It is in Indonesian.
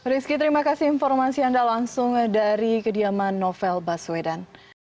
rizky terima kasih informasi anda langsung dari kediaman novel baswedan